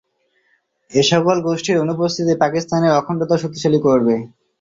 এসকল গোষ্ঠীর অনুপস্থিতি পাকিস্তানের অখণ্ডতা শক্তিশালী করবে।